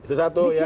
itu satu ya